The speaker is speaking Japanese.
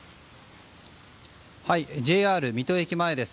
ＪＲ水戸駅前です。